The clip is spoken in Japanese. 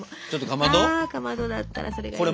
かまどだったらそれがいいな。